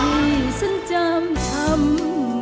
ที่ฉันจำทำ